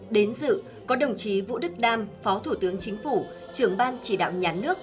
đến dự có đồng chí vũ đức đam phó thủ tướng chính phủ trưởng ban chỉ đạo nhà nước